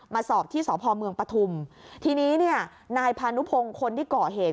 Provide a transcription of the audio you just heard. สอบที่สพเมืองปฐุมทีนี้เนี่ยนายพานุพงศ์คนที่ก่อเหตุ